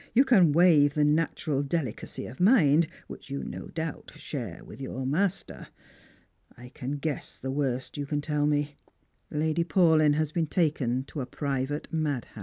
You can waive the natural delicacy of mind wiuch you no doubt share with your master. I can guess the worst you can tell me. Lady Paulyu has been taken to a private K?dhouse."